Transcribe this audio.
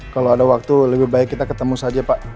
kalau ada waktu lebih baik kita ketemu saja pak